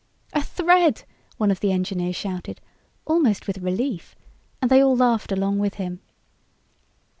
"A thread!" one of the engineers shouted, almost with relief, and they all laughed along with him.